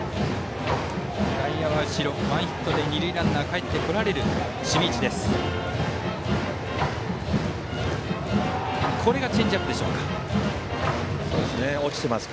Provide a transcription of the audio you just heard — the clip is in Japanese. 外野は後ろワンヒットで二塁ランナーかえってこられる守備位置です。